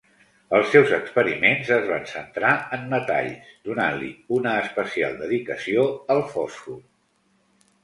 Els seus experiments es van centrar en metalls, donant-li una especial dedicació al fòsfor.